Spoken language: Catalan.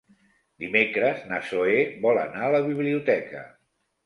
Dimecres na Zoè vol anar a la biblioteca.